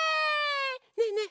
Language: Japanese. ねえねえ